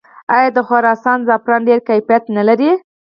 آیا د خراسان زعفران ډیر کیفیت نلري؟